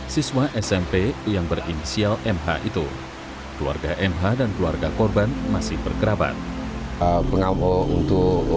siswa smp yang berinisial mh itu keluarga mh dan keluarga korban masih berkerabat pengawal untuk